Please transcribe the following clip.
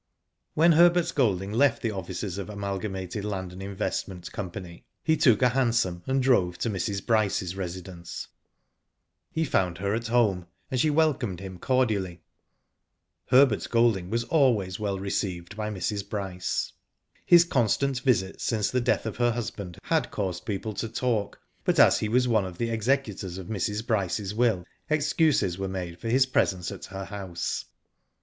When Herbert Golding left the offices of the Amalgamated Land and Investment . Company he took a hansom and drove to Mrs. Bryce's resi dence. He found her at home, and she welcomed him cordially. Digitized byGoogk HERBERT GOLDING, MX.A. 135 Herbert Golding was always well received by Mrs. Bryce. His constant visits since the death of her husband had caused people to talk, but as he was one of the executors of Mr. Bryce's will, excuses were made for his presence at her house.